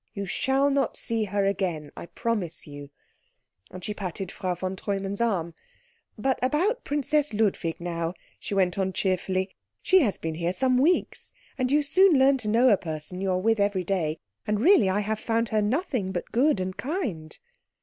You shall not see her again, I promise you." And she patted Frau von Treumann's arm. "But about Princess Ludwig, now," she went on cheerfully, "she has been here some weeks and you soon learn to know a person you are with every day, and really I have found her nothing but good and kind."